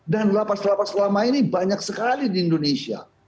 dan lapar lapar selama ini banyak sekali di indonesia